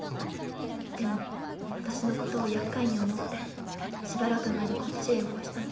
でも私のことを厄介に思ってしばらくの間こっちへよこしたの。